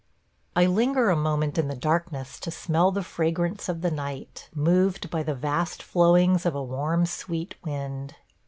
... I linger a moment in the darkness to smell the fragrance of the night, moved by the vast flowings of a warm sweet wind.